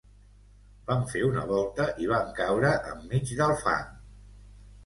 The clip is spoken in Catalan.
Van fer una volta i van caure enmig del fang